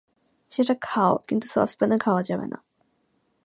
সেটা খাও, কিন্তু সসপ্যানে খাওয়া যাবে না।